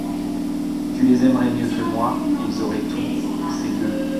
Tu les aimerais mieux que moi, ils auraient tout, ces gueux !